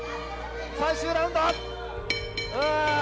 最終ラウンドあっ！